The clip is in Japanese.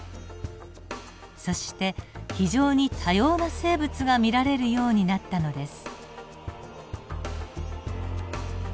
そして非常に多様な生物が見られるようになったのです。